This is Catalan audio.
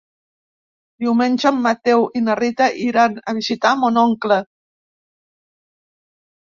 Diumenge en Mateu i na Rita iran a visitar mon oncle.